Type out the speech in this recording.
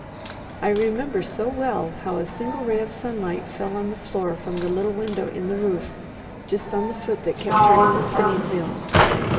I remember so well how a single ray of sunlight fell on the floor from the little window in the roof, just on the foot that kept turning the spinning wheel.